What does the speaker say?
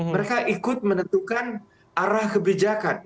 mereka ikut menentukan arah kebijakan